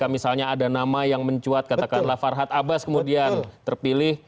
misalnya ada nama yang mencuat katakanlah farhad abbas kemudian terpilih